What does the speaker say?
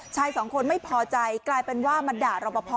ชายสองคนไม่พอใจกลายเป็นว่ามาด่ารอปภ